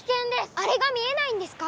あれが見えないんですか！